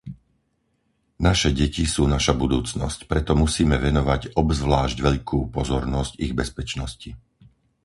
Naše deti sú naša budúcnosť, preto musíme venovať obzvlášť veľkú pozornosť ich bezpečnosti.